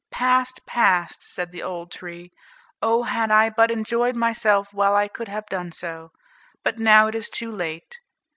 "Past! past!" said the old tree; "Oh, had I but enjoyed myself while I could have done so! but now it is too late."